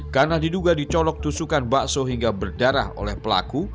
karena diduga dicolok tusukan bakso hingga berdarah oleh pelaku